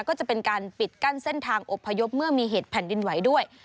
ก็จะเป็นการปิดกั้นเส้นทางอบพยพเมื่อมีเหตุแผ่นดินไหวด้วย